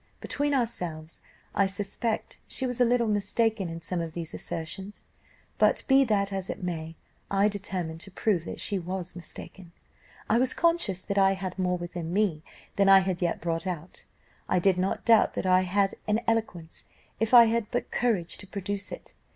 Between ourselves, I suspect she was a little mistaken in some of these assertions; but, be that as it may, I determined to prove that she was mistaken; I was conscious that I had more within me than I had yet brought out; I did not doubt that I had eloquence, if I had but courage to produce it.